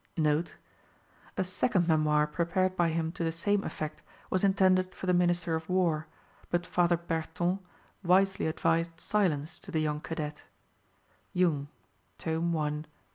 [A second memoir prepared by him to the same effect was intended for the Minister of War, but Father Berton wisely advised silence to the young cadet (Jung, tome i.